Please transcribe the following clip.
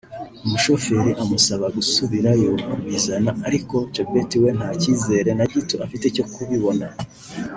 umushoferi amusaba gusubirayo kubizana ariko Chebet we nta cyizere na gito afite cyo kubibona